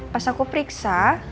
pas aku periksa